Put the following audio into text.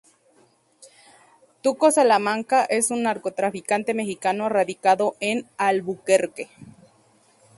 Tuco Salamanca es un narcotraficante mexicano radicado en Albuquerque.